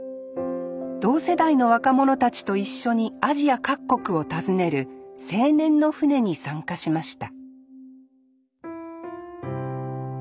同世代の若者たちと一緒にアジア各国を訪ねる青年の船に参加しました